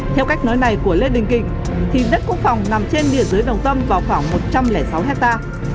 theo cách nói này của lê đình kịnh thì đất quốc phòng nằm trên địa dưới đồng tâm vào khoảng một trăm linh sáu hectare